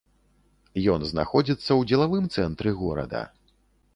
Ён знаходзіцца ў дзелавым цэнтры горада.